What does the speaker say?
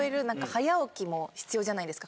早起きも必要じゃないですか